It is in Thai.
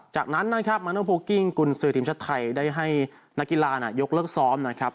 จากนั้นนะครับมาโนโพลกิ้งกุญสือทีมชาติไทยได้ให้นักกีฬายกเลิกซ้อมนะครับ